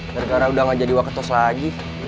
dargara udah gak jadi waketos lagi